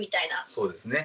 そうですね。